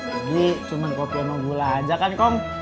jadi cuma kopi emang gula aja kan kong